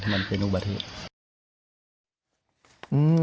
มันเป็นอุบัติธรรม